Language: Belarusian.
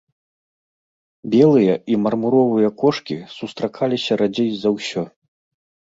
Белыя і мармуровыя кошкі сустракаліся радзей за ўсё.